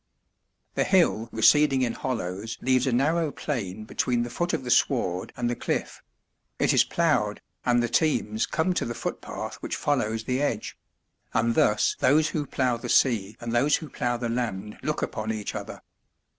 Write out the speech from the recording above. The hill receding in hollows leaves a narrow plain between the foot of the sward and the cliff; it is ploughed, and the teams come to the footpath which follows the edge; and thus those who plough the sea and those who plough the land look upon each other.